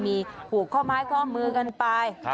มีผูกข้อไม้ข้อมือกันไป